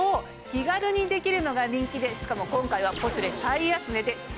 気軽にできるのが人気でしかも今回は。